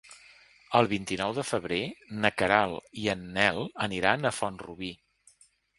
El vint-i-nou de febrer na Queralt i en Nel aniran a Font-rubí.